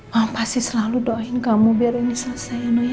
ma pasti selalu doain kamu biar ini selesai ya noh ya